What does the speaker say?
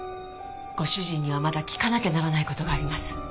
ご主人にはまだ聞かなきゃならない事があります。